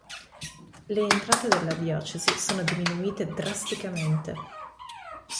Le entrate della diocesi sono diminuite drasticamente.